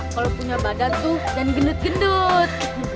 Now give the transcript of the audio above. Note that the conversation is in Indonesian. kalau punya badan tuh jangan gendut gendut